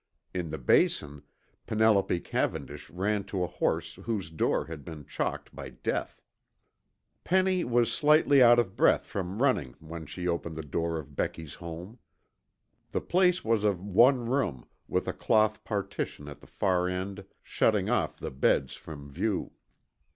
In the Basin, Penelope Cavendish ran to a house whose door had been chalked by Death. Penny was slightly out of breath from running when she opened the door of Becky's home. The place was of one room, with a cloth partition at the far end shutting off the beds from view.